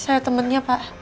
saya temannya pak